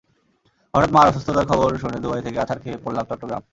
হঠাৎ মার অসুস্থতার খবর শুনে দুবাই থেকে আছাড় খেয়ে পড়লাম চট্টগ্রাম।